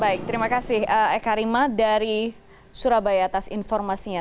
baik terima kasih eka rima dari surabaya atas informasinya